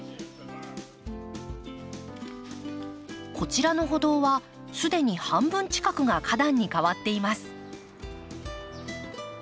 こちらの歩道は既に半分近くが花壇に替わっています。